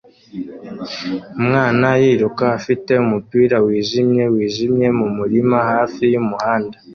Umwana yiruka afite umupira wijimye wijimye mumurima hafi yumuhanda